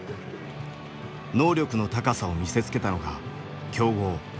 能力の高さを見せつけたのが強豪サンゴ